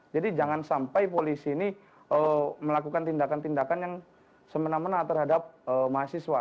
jadi jangan sampai polisi ini melakukan tindakan tindakan yang semena mena terhadap mahasiswa